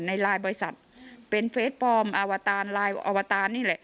ในไลน์บริษัทเป็นเฟสปลอมอวตารไลน์อวตารนี่แหละ